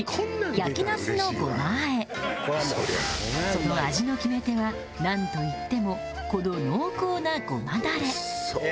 その味の決め手はなんといってもこの濃厚な胡麻ダレ「おいしそう」